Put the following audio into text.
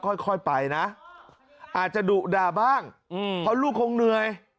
ค่อยไปนะอาจจะดุด่าบ้างเพราะลูกคงเหนื่อย